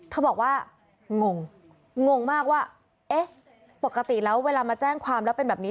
เขาบอกว่างงงงมากว่าเอ๊ะปกติแล้วเวลามาแจ้งความแล้วเป็นแบบนี้